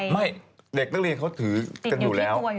ไม่เด็กนักเรียนเขาถือกันอยู่แล้ว